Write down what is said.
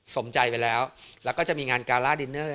สมใจไปแล้วแล้วก็จะมีงานการ่าดินเนอร์